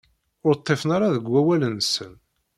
Ur ḍḍifen ara deg wawal-nsen.